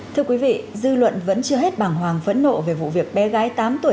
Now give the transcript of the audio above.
thưa quý vị dư luận vẫn chưa hết bảng hoàng phẫn nộ về vụ việc bé gái tám tuổi